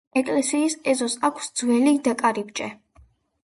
ეკლესიის ეზოს აქვს ძველი კარიბჭე.